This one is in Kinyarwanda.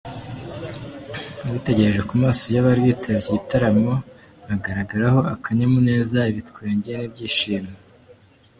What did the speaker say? Witegereje ku maso y’abari bitabiriye iki gitaramo, hagaragaragaho akanyamuneza, ibitwenge n’ibyishimo.